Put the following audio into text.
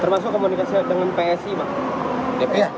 termasuk komunikasi dengan psi